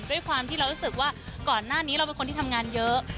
ด้วยความที่เรารู้สึกว่าก่อนหน้านี้เราเป็นคนที่ทำงานเยอะ